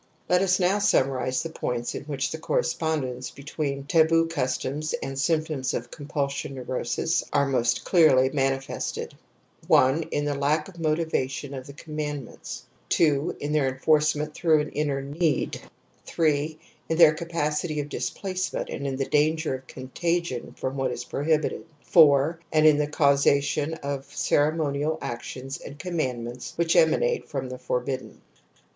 Let us now simunarize the points in which the/correspondence between taboo customs and the ^symptoms of compulsion neurosiiy are most clearly manifested : 1. In the lack of motiva tion of the commandments, 2. in their enforce ment through an inner need, 8. in their capacity of displacement and in the danger of contagion from what is prohibited, 4. and in the causation of ceremonial actions and conuhandments which emanate from the forbidden.